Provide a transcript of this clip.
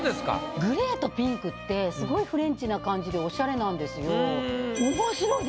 グレーとピンクってすごいフレンチな感じでおしゃれなんですよ。